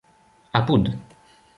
apud